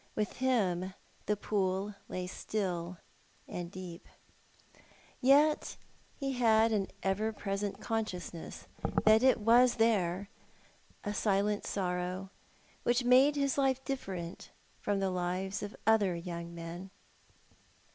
With him the pool lay still and deep ; 76 Thou art the Man, yet he nad an ever present consciousness that it was there, a silent sorrow, which made his life different from the lives of other young men.